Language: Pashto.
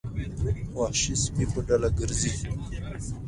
وحشي سپي په ډله ګرځي.